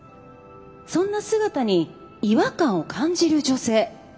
そんな姿に違和感を感じる女性